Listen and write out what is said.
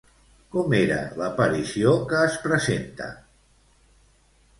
Com era l'aparició que es presenta?